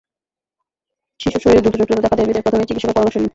শিশুর শরীরে দ্রুত জটিলতা দেখা দেয় বিধায় প্রথমেই চিকিৎসকের পরামর্শ নিন।